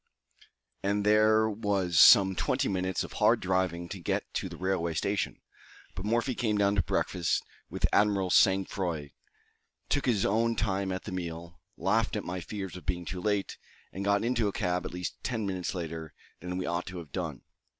and there was some twenty minutes of hard driving to get to the railway station; but Morphy came down to breakfast with admirable sang froid, took his own time at the meal, laughed at my fears of being too late, and got into a cab at least ten minutes later than we ought to have done.